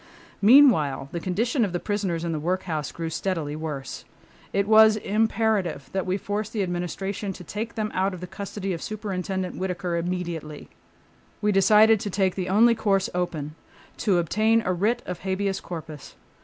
Meanwhile the condition of the prisoners in the workhouse grew steadily worse. It was imperative that we force the Administration to take them out of the custody of Superintendent Whittaker immediately. We decided to take the only course open—to obtain a writ of habeas corpus.